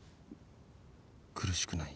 苦しくない？